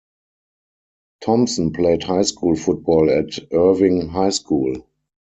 Thompson played high school football at Irving High School.